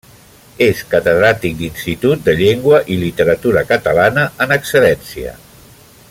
És catedràtic d'institut de llengua i literatura catalana en excedència.